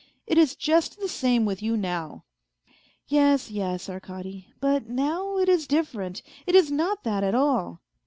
It is just the same with you now." " Yes, yes, Arkady ; but now it is different, it is not that at all."